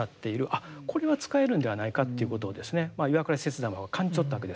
あっこれは使えるんではないかということを岩倉使節団は感じ取ったわけです。